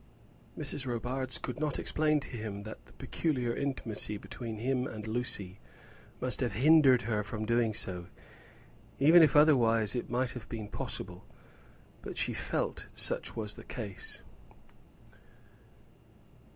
Mrs. Robarts could not explain to him that the peculiar intimacy between him and Lucy must have hindered her from doing so, even if otherwise it might have been possible; but she felt such was the case.